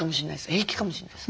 平気かもしれないです。